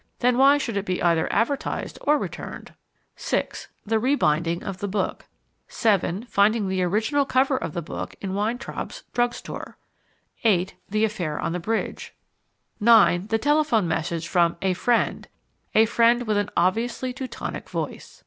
Then why should it be either advertised or returned? (6) The rebinding of the book. (7) Finding the original cover of the book in Weintraub's drug store. (8) The affair on the Bridge. (9) The telephone message from "a friend" a friend with an obviously Teutonic voice.